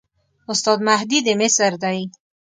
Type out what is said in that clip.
استاد مهدي د مصر دی.